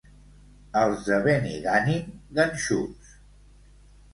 Els de Benigànim, ganxuts.